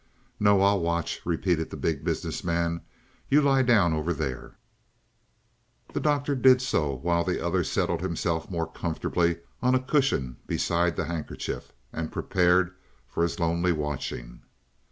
"No, I'll watch," repeated the Big Business Man. "You lie down over there." The Doctor did so while the other settled himself more comfortably on a cushion beside the handkerchief, and prepared for his lonely watching.